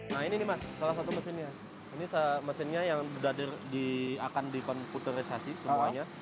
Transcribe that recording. nah ini nih mas salah satu mesinnya ini mesinnya yang akan dikomputerisasi semuanya